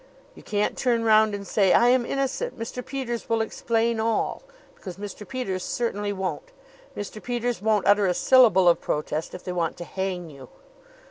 You can't turn round and say: 'I am innocent. Mr. Peters will explain all' because Mr. Peters certainly won't. Mr. Peters won't utter a syllable of protest if they want to hang you.